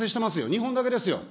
日本だけですよ。